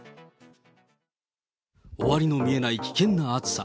終わりの見えない危険な暑さ。